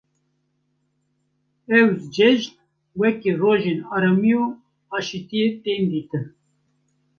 Ev ceijn weke rojên aramî û aşîtiyê tên dîtin.